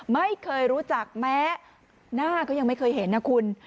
ไม่เคยรู้จักแม้หน้าก็ยังไม่เคยเห็นนะคุณ